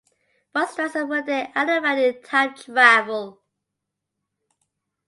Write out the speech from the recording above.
What stressors would they identify in time travel?